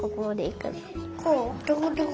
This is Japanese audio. どこどこ？